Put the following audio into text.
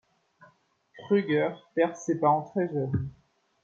Crüger perd ses parents très jeune.